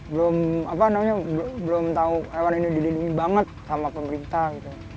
belum apa namanya belum tahu hewan ini dilindungi banget sama pemerintah gitu